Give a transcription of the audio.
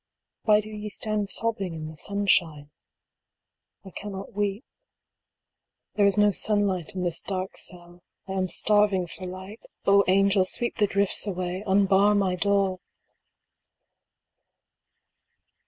Why do ye stand sobbing in the sunshine ? I cannot weep. There is no sunlight in this dark cell. I am starving for light O angels I sweep the drifts away unbar my door